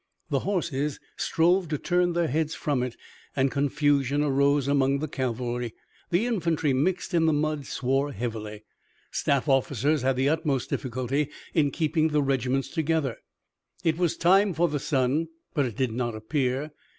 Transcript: The horses strove to turn their heads from it, and confusion arose among the cavalry. The infantry mixed in the mud swore heavily. Staff officers had the utmost difficulty in keeping the regiments together. It was time for the sun, but it did not appear.